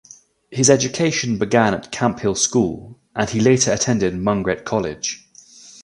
His education began at Camphill school and he later attended Mungret College.